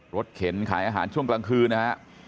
เข็นขายอาหารช่วงกลางคืนนะฮะ